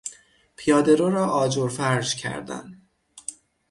پیادهرو را آجر فرش کردن